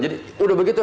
jadi udah begitu